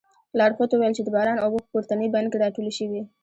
لارښود وویل چې د باران اوبه په پورتني بند کې راټولې شوې.